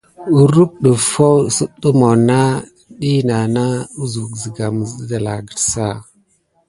Kurum ɗəffo kis kudumona dina na uksu siga mis gəldala ça agate.